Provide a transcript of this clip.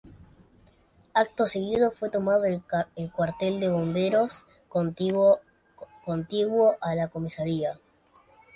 Acto seguido fue tomado el cuartel de bomberos, contiguo a la comisaría.